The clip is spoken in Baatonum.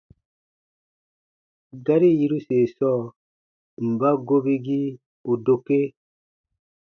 Gari yiruse sɔɔ: mba gobigii u dokee?